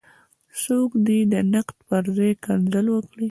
څوک دې د نقد پر ځای کنځل وکړي.